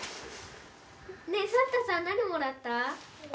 ねえサンタさん何もらった？